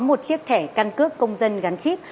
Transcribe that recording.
tại sao chúng ta đã có một chiếc thẻ căn cước công dân gắn chip